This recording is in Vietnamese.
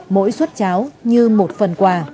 mỗi suất cháo như một phần quà